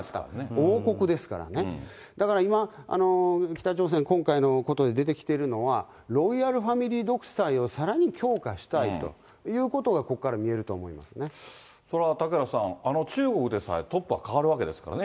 王国ですからね、だから今、北朝鮮、今回のことで出てきてるのは、ロイヤルファミリー独裁をさらに強化したいということが、それは嵩原さん、あの中国でさえ、トップは代わるわけですからね。